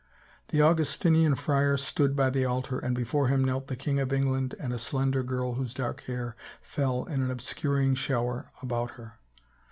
An Augustinian friar stood by the altar and before him knelt the king of England and a slender prl whose dark hair fell in an obscuring shower about her.